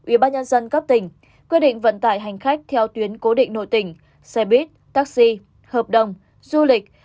ubnd cấp tỉnh quyết định vận tải hành khách theo tuyến cố định nội tỉnh xe buýt taxi hợp đồng du lịch